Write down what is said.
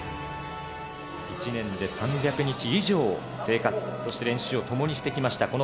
１年で３００日以上生活、そして練習を共にしてきました